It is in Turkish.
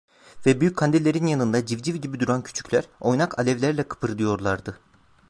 Ve büyük kandillerin yanında civciv gibi duran küçükler, oynak alevlerle kıpırdıyorlardı.